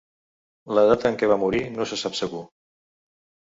La data en què va morir no se sap segur.